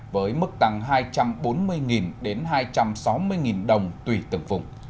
với mức tăng hai trăm bốn mươi đến hai trăm sáu mươi đồng tùy từng vùng